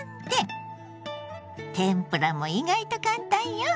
天ぷらも意外と簡単よ。